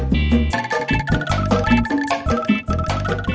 palang tempat sensi